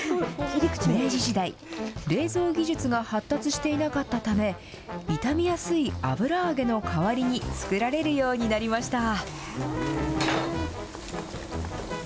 明治時代、冷蔵技術が発達していなかったため、傷みやすい油揚げの代わりに作られるようになりました。